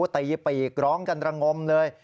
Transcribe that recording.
ตีปีกร้องกันระงมเลย